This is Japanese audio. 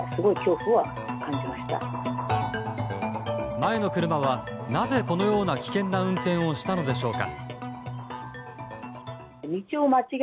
前の車は、なぜこのような危険な運転をしたのでしょうか。